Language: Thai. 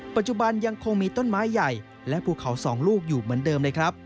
ปัจจุบันยังคงมีต้นไม้ใหญ่และภูเขา๒ลูกอยู่เหมือนเดิมเลยครับ